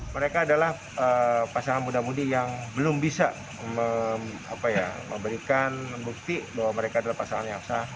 mereka adalah pasangan muda mudi yang belum bisa memberikan bukti bahwa mereka adalah pasangan yang sah